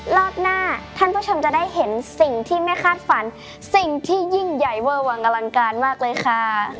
รอบหน้าท่านผู้ชมจะได้เห็นสิ่งที่ไม่คาดฝันสิ่งที่ยิ่งใหญ่เวอร์วังอลังการมากเลยค่ะ